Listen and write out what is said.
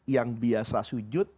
yang biasa sujud